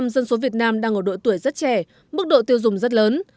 một mươi dân số việt nam đang ở độ tuổi rất trẻ mức độ tiêu dùng rất lớn